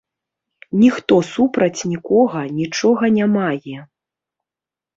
Ніхто супраць нікога нічога не мае.